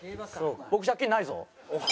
僕借金ないぞ。